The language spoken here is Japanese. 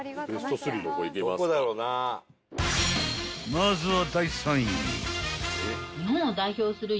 ［まずは］